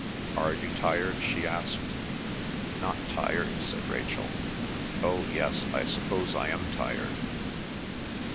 Are you tired?" she asked. "Not tired," said Rachel. "Oh, yes, I suppose I am tired."